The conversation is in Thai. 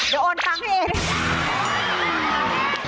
เดี๋ยวโอนตังค์ให้เอง